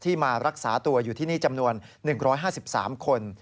มารักษาตัวอยู่ที่นี่จำนวน๑๕๓คน